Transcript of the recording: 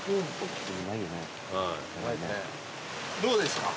どうですか？